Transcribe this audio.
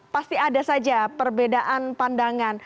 pasti ada saja perbedaan pandangan